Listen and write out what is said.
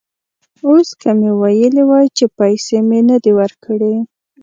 اوس که مې ویلي وای چې پیسې مې نه دي ورکړي.